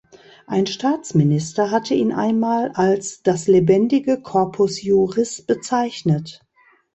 Ein Staatsminister hatte ihn einmal als "das lebendige Corpus juris" bezeichnet.